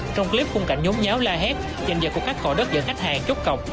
trong clip khung cảnh nhốm nháo la hét danh dật của các cỏ đất dẫn khách hàng chốt cọc